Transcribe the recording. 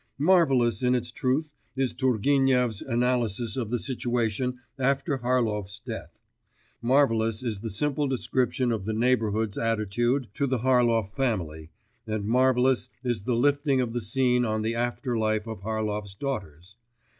Marvellous in its truth is Turgenev's analysis of the situation after Harlov's death, marvellous is the simple description of the neighbourhood's attitude to the Harlov family, and marvellous is the lifting of the scene on the after life of Harlov's daughters.